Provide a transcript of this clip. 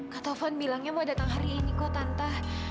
kak taufan bilangnya mau datang hari ini kok tante